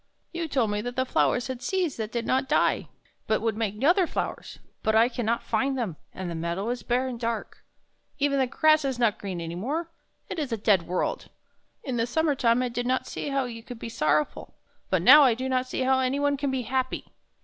You told me that the flowers had seeds that did not die, but would make other flowers; but I can not find them, and the meadow is bare and dark. Even the grass is not green any more. It is a dead world. In the summer time I did not see how you could be sorrow ful; but now I do not see how any one can be happy."